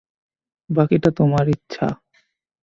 বাকিটা তোমার ইচ্ছা।